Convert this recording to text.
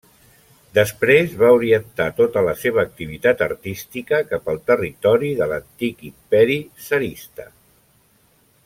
Després, va orientar tota la seva activitat artística cap al territori de l'antic imperi tsarista.